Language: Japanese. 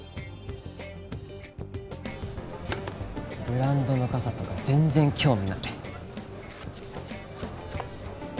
ブランドの傘とか全然興味ない。